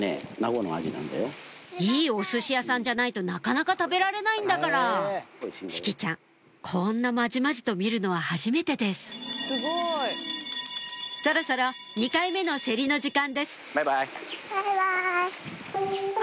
いいお寿司屋さんじゃないとなかなか食べられないんだから志葵ちゃんこんなまじまじと見るのははじめてですそろそろ２回目の競りの時間です